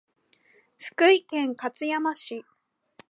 福井県勝山市